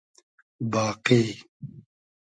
باقی